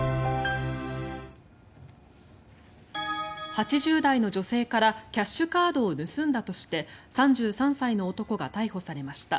８０代の女性からキャッシュカードを盗んだとして３３歳の男が逮捕されました。